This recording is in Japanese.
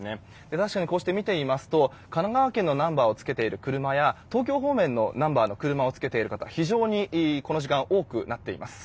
確かにこうして見ていますと神奈川県のナンバーをつけている車や東京方面のナンバーをつけている方が非常にこの時間多くなっています。